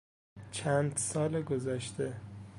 چند سال گذشته